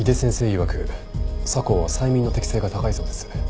いわく佐向は催眠の適性が高いそうです。